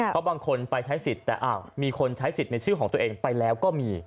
เพราะบางคนไปใช้สิทธิ์แต่มีคนใช้สิทธิ์ในชื่อของตัวเองไปแล้วก็มี